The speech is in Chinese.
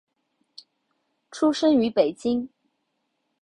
出生于北京。